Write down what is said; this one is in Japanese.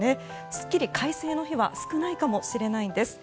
すっきり快晴の日は少ないかもしれないです。